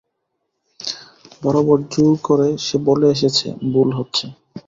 বরাবর জোর করে সে বলে এসেছে, ভুল হচ্ছে।